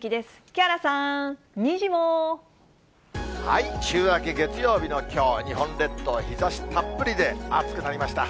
木原さん、週明け月曜日のきょう、日本列島、日ざしたっぷりで暑くなりました。